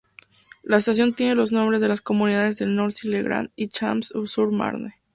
La estación tiene los nombre de las comunas de Noisy-le-Grand y Champs-sur-Marne.